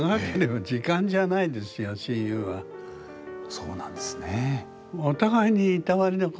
そうなんですね。